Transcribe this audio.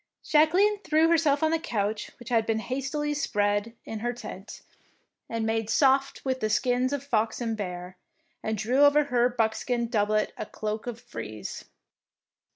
Jacqueline threw herself on the couch which had been hastily spread in her 6 81 DEEDS OF DARING tent, and made soft with the skins of fox and of bear, and drew over her buckskin doublet a cloak of frieze.